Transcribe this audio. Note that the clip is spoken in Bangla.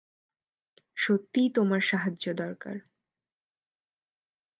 সত্যিই তোমার সাহায্য দরকার।